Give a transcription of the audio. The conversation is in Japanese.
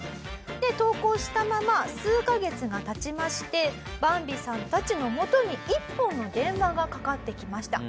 投稿したまま数カ月が経ちましてバンビさんたちのもとに１本の電話がかかってきました。